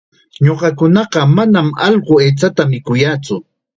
Ñuqakunaqa manam allqu aychata mikuyaatsu.